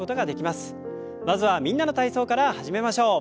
まずは「みんなの体操」から始めましょう。